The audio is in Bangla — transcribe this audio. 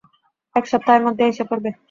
এক সপ্তাহের মধ্যেই এসে পড়বে।